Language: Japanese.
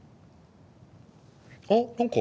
あっ何か。